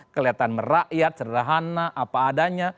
kelihatan merakyat sederhana apa adanya